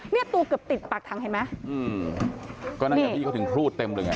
เนี่ยตัวเกือบติดปากถังเห็นไหมอืมก็นั่นไงพี่เขาถึงครูดเต็มเลยไง